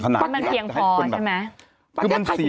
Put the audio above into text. มันเพียงพอใช่ไหม